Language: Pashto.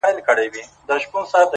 • د زلمیو پاڅېدلو په اوږو کي,